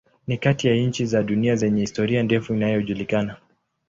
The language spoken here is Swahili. Ni kati ya nchi za dunia zenye historia ndefu inayojulikana.